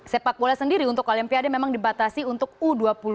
sepak bola sendiri untuk olimpiade memang dibatasi untuk u dua puluh